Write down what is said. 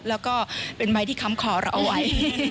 แล้วก็เป็นไม้ที่ค้ำคอเราเอาไว้